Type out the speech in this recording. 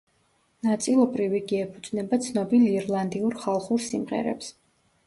ნაწილობრივ იგი ეფუძნება ცნობილ ირლანდიურ ხალხურ სიმღერებს.